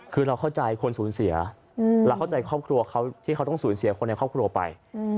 คือเราเข้าใจคนสูญเสียเราเข้าใจครอบครัวเขาที่เขาต้องสูญเสียคนในครอบครัวไป